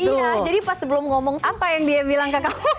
iya jadi pas sebelum ngomong apa yang dia bilang ke kamu